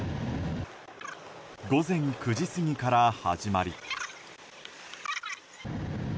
午前９時過ぎから始まり